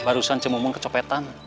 barusan cemumun kecopetan